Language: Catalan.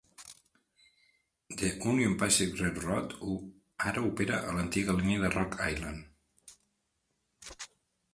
The Union Pacific Railroad ara opera a l'antiga línia de Rock Ailand.